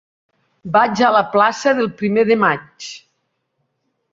Vaig a la plaça del Primer de Maig.